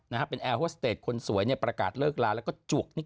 นะครับแอร์ฮอสเตรดคนสวยเนี่ยประกาศเลิกลาแล้วก็จวก